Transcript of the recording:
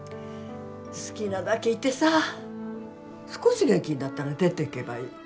好きなだけいてさ少し元気になったら出ていけばいい。